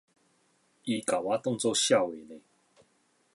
伊共我當做痟的呢